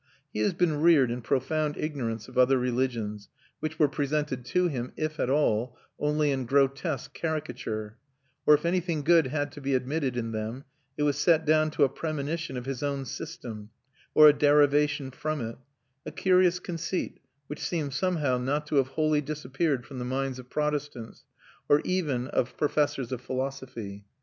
He has been reared in profound ignorance of other religions, which were presented to him, if at all, only in grotesque caricature; or if anything good had to be admitted in them, it was set down to a premonition of his own system or a derivation from it a curious conceit, which seems somehow not to have wholly disappeared from the minds of Protestants, or even of professors of philosophy.